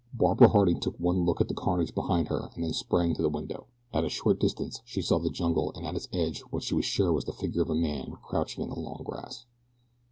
Barbara Harding took one look at the carnage behind her and then sprang to the window. At a short distance she saw the jungle and at its edge what she was sure was the figure of a man crouching in the long grass.